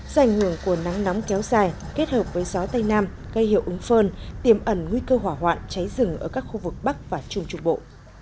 do ảnh hưởng của nắng nóng kéo dài kết hợp với gió tây nam gây hiệu ứng phơn tiềm ẩn nguy cơ hỏa hoạn cháy rừng ở các khu vực bắc và trung trung bộ